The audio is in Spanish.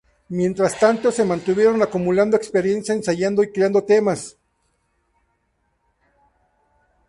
Mientras tanto, se mantuvieron acumulando experiencia, ensayando y creando temas.